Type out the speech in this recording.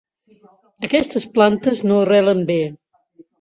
Aquestes plantes no arrelen bé.